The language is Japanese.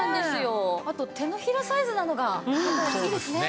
あと手のひらサイズなのがいいですね。